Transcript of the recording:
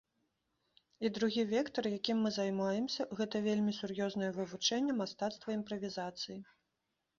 І другі вектар, якім мы займаемся,— гэта вельмі сур'ёзнае вывучэнне мастацтва імправізацыі.